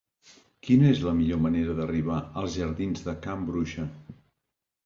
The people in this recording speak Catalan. Quina és la millor manera d'arribar als jardins de Can Bruixa?